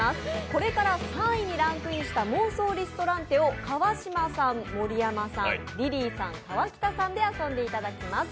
これから３位にランクインした妄想リストランテを川島さん、盛山さん、リリーさん、川北さんで遊んでいただきます。